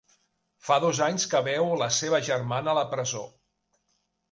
Fa dos anys que veu la seva germana a la presó.